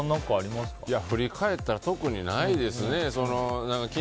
振り返ったら特にないですね。